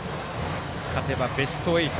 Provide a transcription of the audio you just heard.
勝てばベスト８。